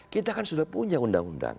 kita kan sudah punya undang undang